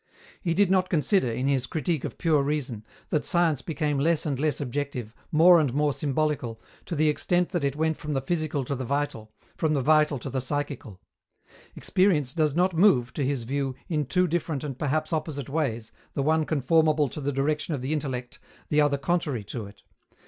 He did not consider, in his Critique of Pure Reason, that science became less and less objective, more and more symbolical, to the extent that it went from the physical to the vital, from the vital to the psychical. Experience does not move, to his view, in two different and perhaps opposite ways, the one conformable to the direction of the intellect, the other contrary to it.